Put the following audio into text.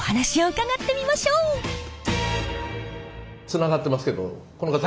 つながってますけどこの方